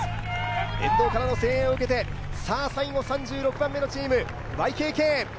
沿道からの声援を受けて最後３６番目のチーム、ＹＫＫ。